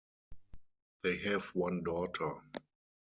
They have one daughter.